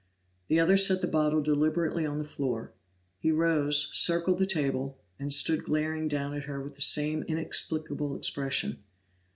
The other set the bottle deliberately on the floor; he rose, circled the table, and stood glaring down at her with that same inexplicable expression.